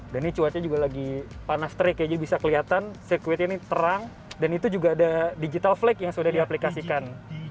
dan ini cuacanya juga lagi panas terik ya jadi bisa kelihatan sirkuit ini terang dan itu juga ada digital flag yang sudah diaplikasikan